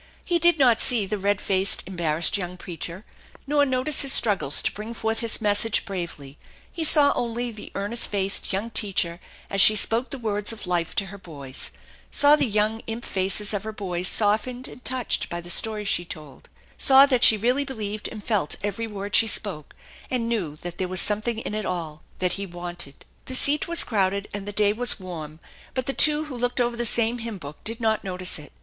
He did not see the red faced, embarrassed young preacher, nor notice his struggles to bring forth his message bravely; he saw only the earnest faced young teacher as she spoke the words of life to her boys ; saw the young imp faces of her boys softened a'tid touched by the story she told; saw that she really be lieved and felt every word she spoke; and knew that there ^as something in it all that he wanted. The seat was crowded and the day was warm, but the two who looked over the same hymn book did not notice it.